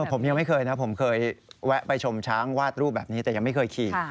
ผมยังไม่เคยนะผมเคยแวะไปชมช้างวาดรูปแบบนี้แต่ยังไม่เคยขี่